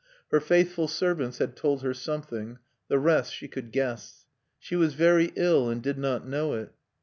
Her faithful servants had told her something; the rest she could guess. She was very ill, and did not know it.